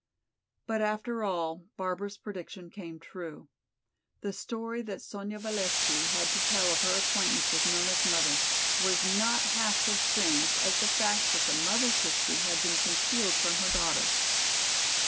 But after all, Barbara's prediction came true. The story that Sonya Valesky had to tell of her acquaintance with Nona's mother was not half so strange as the fact that the mother's history had been concealed from her daughter.